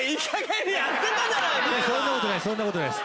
そんなことないです。